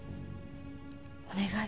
〔お願い。